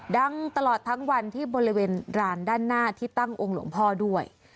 ดังตลอดทั้งวันที่บริเวณรานด้านหน้าที่ตั้งองค์หลวงพ่อด้วย